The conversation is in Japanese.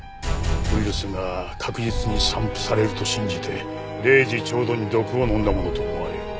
ウイルスが確実に散布されると信じて０時ちょうどに毒を飲んだものと思われる。